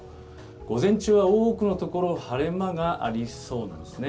午前中は多くの所、晴れ間がありそうなんですね。